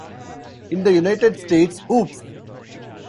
In the United States, Oops!...